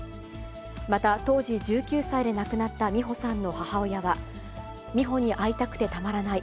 また、当時１９歳で亡くなった美帆さんの母親は、美帆に会いたくてたまらない。